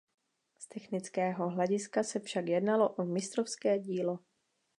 Z technického hlediska se však jednalo o mistrovské dílo.